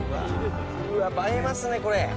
うわ映えますねこれ。